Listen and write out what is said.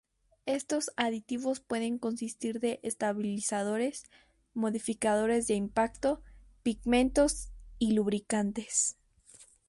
Estos aditivos pueden consistir de estabilizadores, modificadores de impacto, pigmentos y lubricantes.